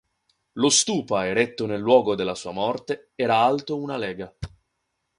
Lo stupa eretto nel luogo della sua morte era alto una lega.